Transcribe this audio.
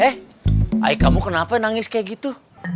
eh ayah kamu kenapa nangis kayak gitu